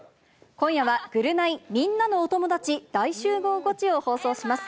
今夜はぐるナイみんなのお友達大集合ゴチを放送します。